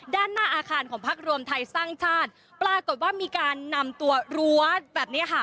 ด้านหน้าอาคารของพักรวมไทยสร้างชาติปรากฏว่ามีการนำตัวรั้วแบบเนี้ยค่ะ